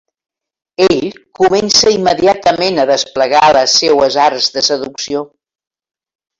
Ell, comença immediatament a desplegar les seues arts de seducció.